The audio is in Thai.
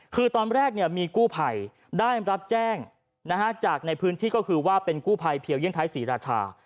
คือตอนแรกมีกู้ภัยได้รับแจ้งจากในพื้นที่ก็คือว่าเป็นกู้ภัยเพียวเยี่ยงไทยศรีราชา